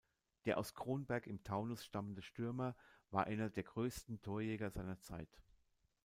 Der aus Kronberg im Taunus stammende Stürmer war einer der größten Torjäger seiner Zeit.